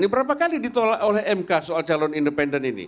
ini berapa kali ditolak oleh mk soal calon independen ini